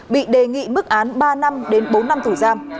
bị đề nghị mức án ba năm đến bốn năm thủ giam